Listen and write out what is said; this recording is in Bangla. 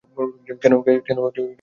কেন তুমি এই সব করলে?